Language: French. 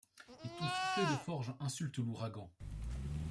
Et ton soufflet de forge insulte l’ouragan.